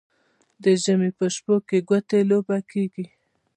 د ژمي په شپو کې ګوتې لوبه کیږي.